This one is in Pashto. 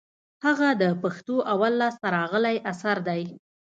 هغه د پښتو اول لاس ته راغلى اثر دئ.